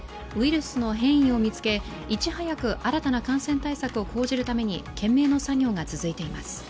ウイルスの変異を見つけ、いち早く新たな感染対策を講じるために懸命の作業が続いています。